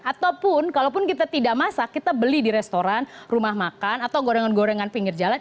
ataupun kalaupun kita tidak masak kita beli di restoran rumah makan atau gorengan gorengan pinggir jalan